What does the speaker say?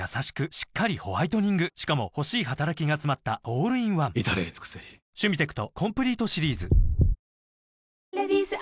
しっかりホワイトニングしかも欲しい働きがつまったオールインワン至れり尽せりさあ、くらもん説明するね。